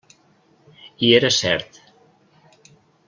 I era cert.